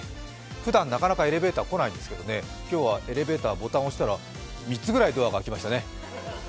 ふだんなかなかエレベーター来ないんですけど、今日はエレベーターのボタンを押したら３つぐらいドアが開きましたね。